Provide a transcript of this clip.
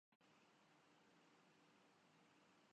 ایک یہ کہ پاکستان اپنے تاریخی بیانیے پر قائم ہے۔